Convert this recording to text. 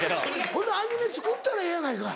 ほなアニメ作ったらええやないかい。